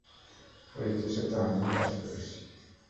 ঐ কেসে তো আমিও কাজ করেছি।